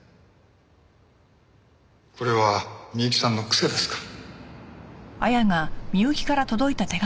これは美雪さんの癖ですか？